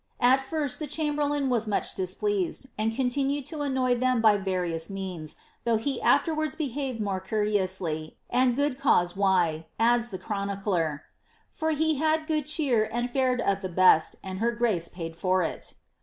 At first the chamberlain was much dis pleased, and continued to annoy them by various means, though he afterwards behaved more courteously, and good cause why, adds the chroniclen ^ for he had good cheer, and fared of the best, and her grace paid for it.''